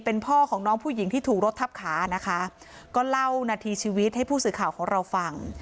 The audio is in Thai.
เป็นพ่อของน้องผู้หญิงที่ถูกรถทับขานะคะก็เล่านาทีชีวิตให้ผู้สื่อข่าวของเราฟัง